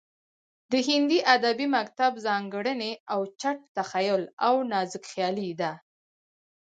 د هندي ادبي مکتب ځانګړنې اوچت تخیل او نازکخیالي ده